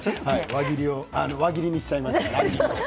乱切りを輪切りにしちゃいました。